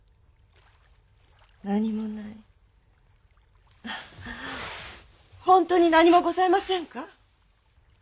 何もない本当に何もございませんか？